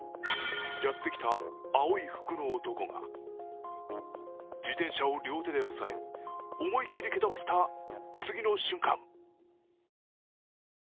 やってきた青い服の男が自転車を両手で抑え思い切り蹴飛ばした、次の瞬間